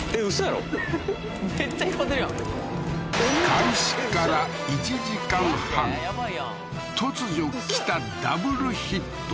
開始から１時間半突如きたＷヒット